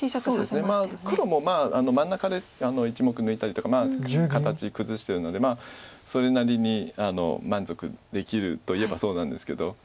そうですね黒も真ん中で１目抜いたりとか形崩してるのでまあそれなりに満足できるといえばそうなんですけど。